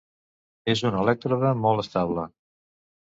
És un elèctrode molt estable.